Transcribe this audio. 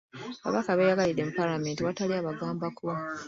Ababaka beeyagalidde mu palamenti awatali abagambako.